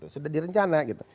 sudah direncana gitu